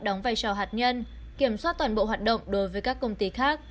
đóng vai trò hạt nhân kiểm soát toàn bộ hoạt động đối với các công ty khác